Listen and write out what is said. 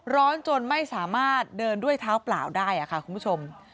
จนไม่สามารถเดินด้วยเท้าเปล่าได้ค่ะคุณผู้ชม